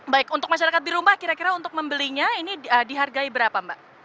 baik untuk masyarakat di rumah kira kira untuk membelinya ini dihargai berapa mbak